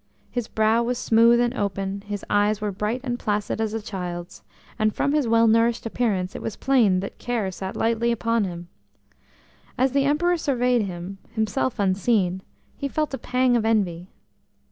His brow was smooth and open; his eyes were bright and placid as a child's, and from his well nourished appearance it was plain that care sat lightly upon him. As the Emperor surveyed him, himself unseen, he felt a pang of envy.